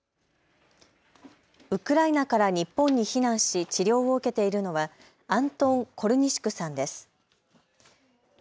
ウクライナから日本に避難し治療を受けているのはアントン・コルニシュクさんです。